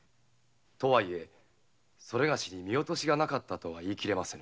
とは言えそれがしに見落としがなかったとは言いきれませぬ。